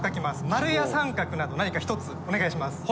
丸や三角など何か一つお願いします。